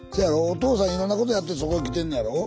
お父さんいろんなことやってそこへ来てんのやろ？